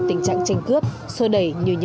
tình trạng tranh cướp xô đẩy như